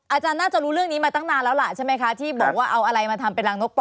อาจารย์น่าจะรู้เรื่องนี้มาตั้งนานแล้วล่ะใช่ไหมคะที่บอกว่าเอาอะไรมาทำเป็นรางนกปอ